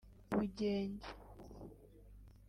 ubugenge